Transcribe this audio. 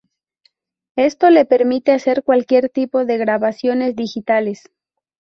Esto le permite hacer cualquier tipo de grabaciones digitales.